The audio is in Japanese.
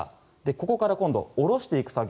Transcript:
ここから下ろしていく作業